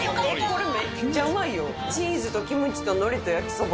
これ、めっちゃうまいよ、チーズとキムチとのりと焼きそば。